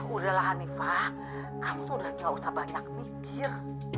udahlah hanifah aku tuh udah gak usah banyak mikir